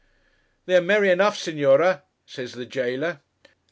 'They are merry enough, Signore,' says the jailer.